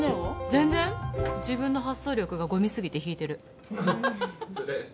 全然自分の発想力がゴミすぎて引いてるハハハハハ